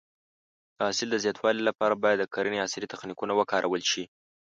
د حاصل د زیاتوالي لپاره باید د کرنې عصري تخنیکونه وکارول شي.